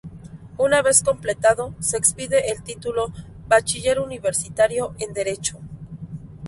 Una vez completado, se expide el título "Bachiller Universitario en Derecho".